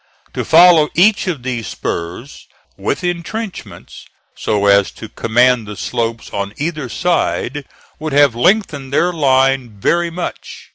To follow each of these spurs with intrenchments, so as to command the slopes on either side, would have lengthened their line very much.